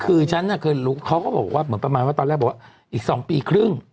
คือฉันน่ะเคยรู้เขาก็บอกว่าเหมือนประมาณว่าตอนแรกบอกว่าอีก๒ปีครึ่ง